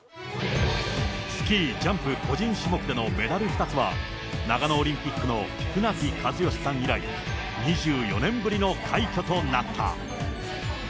スキージャンプ個人種目でのメダル２つは長野オリンピックの船木和喜さん以来、２４年ぶりの快挙となった。